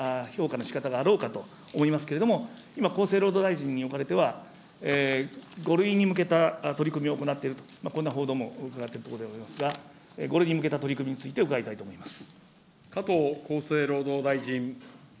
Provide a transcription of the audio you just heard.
もちろんこれについては、さまざまな評価のしかたがあろうかと思いますけれども、今、厚生労働大臣におかれましては５類に向けた取り組みを行っていると、こんな報道も伺っているところでございますが、これに向けた取り組みについて伺いたいと思います。